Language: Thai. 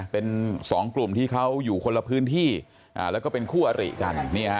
เป็น๒กลุ่มที่เขาอยู่คนละพื้นที่แล้วก็เป็นคู่อริกัน